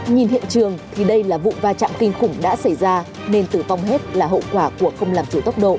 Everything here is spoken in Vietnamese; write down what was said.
nhìn hiện trường thì đây là vụ va chạm kinh khủng đã xảy ra nên tử vong hết là hậu quả của không làm chủ tốc độ